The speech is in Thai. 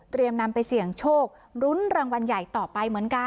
นำไปเสี่ยงโชคลุ้นรางวัลใหญ่ต่อไปเหมือนกัน